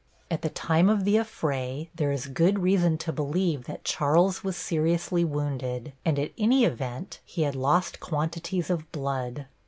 At the time of the affray there is good reason to believe that Charles was seriously wounded, and at any event he had lost quantities of blood.